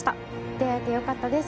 出会えてよかったです。